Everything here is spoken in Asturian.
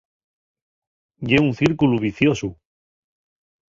Ye un círculu viciosu.